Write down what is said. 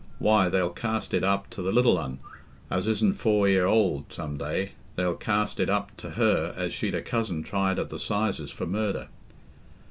"Why, they'll cast it up to the little un, as isn't four 'ear old, some day—they'll cast it up t' her as she'd a cousin tried at the 'sizes for murder."